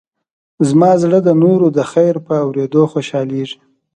زما زړه د نورو د خیر په اورېدو خوشحالېږي.